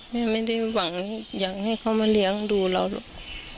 ไม่ได้หวังอยากให้เขามาเลี้ยงดูเราหรอก